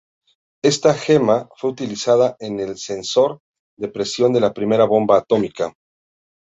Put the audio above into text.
Esta gema fue utilizada en el sensor de presión de la primera bomba atómica.